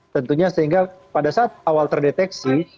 tentunya sehingga pada saat awal terdeteksi